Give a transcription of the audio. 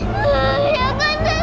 ya kan tanda